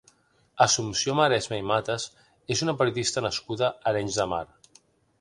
Assumpció Maresma i Matas és una periodista nascuda a Arenys de Mar.